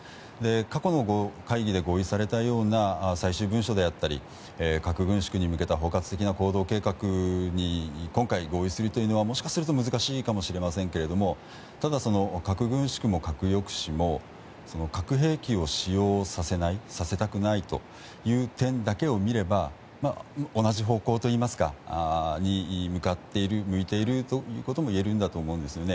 過去の会議で合意されたような最終文書であったり核軍縮に向けた包括的な行動計画に今回合意するというのはもしかしたら難しいかもしれませんけどただ、核軍縮も核抑止も核兵器を使用させないさせたくないという点だけを見れば同じ方向といいますか向いているということもいえると思うんです。